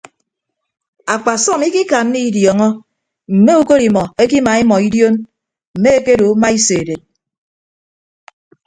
Akpasọm ikikanna idiọọñọ mme ukod imọ ekima imọ idion mme ekedo uma iso edet.